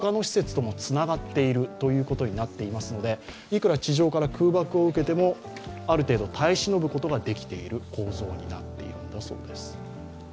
ここにはないですけれども、他の施設ともつながっているということになっていますので、いくら地上から空爆を受けても、ある程度耐えしのぐことができている構造になっているんだそうです。